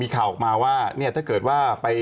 ถ้าคุณแมทรุกก็โพสต์ว่าจุดเขาติดเชื้อมีความผิดไหม